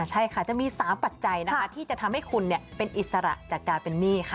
ใช่ค่ะจะมี๓ปัจจัยนะคะที่จะทำให้คุณเป็นอิสระจากการเป็นหนี้ค่ะ